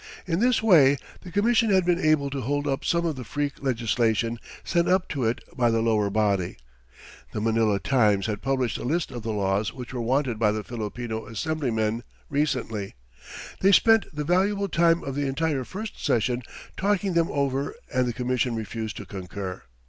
In this way the Commission has been able to hold up some of the freak legislation sent up to it by the lower body. The Manila Times has published a list of the laws which were wanted by the Filipino assemblymen recently. They spent the valuable time of the entire first session talking them over and the Commission refused to concur.